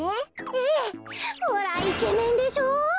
ええほらイケメンでしょ。